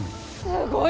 すごい！